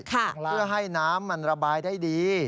เพื่อให้น้ำมันระบายได้ดี